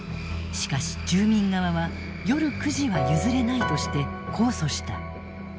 しかし住民側は夜９時は譲れないとして控訴した。